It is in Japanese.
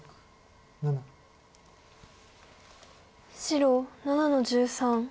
白７の十三。